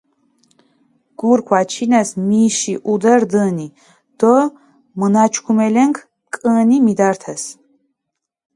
გურქ ვაჩინეს მიში ჸუდე რდჷნი, დო მჷნაჩქუმელენქ კჷნი მიდართეს.